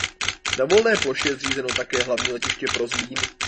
Na volné ploše je zřízeno také hlavní letiště pro Zlín.